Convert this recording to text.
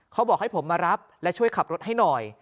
เขาบอกให้ผมมารับและช่วยขับรถให้หน่อย